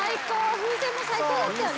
風船も最高だったよね。